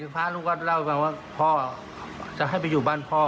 พระลูกก็เล่าให้ฟังว่าพ่อจะให้ไปอยู่บ้านพ่อ